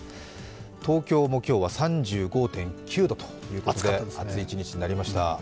東京も今日は３５．９度ということで暑い１日となりました。